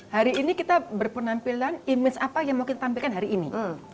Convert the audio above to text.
hari ini kita berpenampilan image apa yang mau kita tampilkan hari ini